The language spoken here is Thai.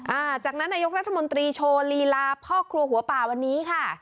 หลังจากนั้นนายกรัฐมนตรีโชว์ลีลาพ่อครัวหัวป่าวันนี้ค่ะ